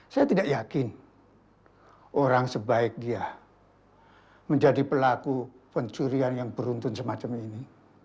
saya tidak yakin orang sebaik dia menjadi pelaku pencurian yang beruntun semacam ini